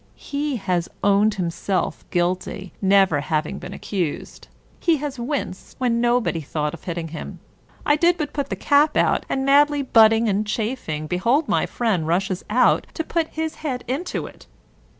He has owned himself guilty, never having been accused. He has winced when nobody thought of hitting him. I did but put the cap out, and madly butting and chafing, behold my friend rushes out to put his head into it